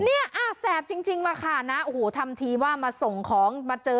เนี่ยแสบจริงล่ะค่ะนะโอ้โหทำทีว่ามาส่งของมาเจอ